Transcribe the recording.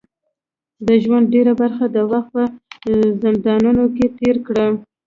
د ژوند ډیره برخه د وخت په زندانونو کې تېره کړه.